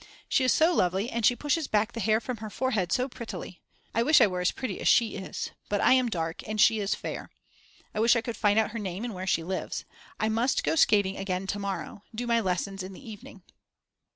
She is so lovely and she pushes back the hair from her forehead so prettily. I wish I were as pretty as she is. But I am dark and she is fair. I wish I could find out her name and where she lives. I must go skating again to morrow; do my lessons in the evening.